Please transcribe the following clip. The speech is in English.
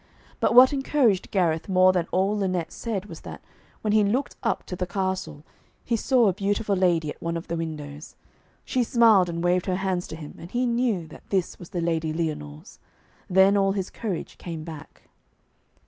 But what encouraged Gareth more than all Lynette said was that, when he looked up to the castle, he saw a beautiful lady at one of the windows. She smiled and waved her hands to him, and he knew that this was the Lady Lyonors. Then all his courage came back.